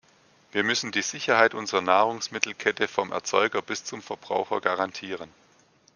Wir müssen die Sicherheit unserer Nahrungsmittelkette vom Erzeuger bis zum Verbraucher garantieren.